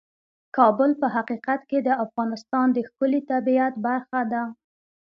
کابل په حقیقت کې د افغانستان د ښکلي طبیعت برخه ده.